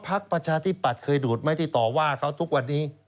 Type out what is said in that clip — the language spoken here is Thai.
ประชาธิปัตย์เคยดูดไหมที่ต่อว่าเขาทุกวันนี้